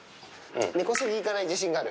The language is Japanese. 根こそぎいかない自信がある。